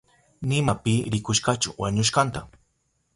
Nima pi rikushkachu wañushkanta.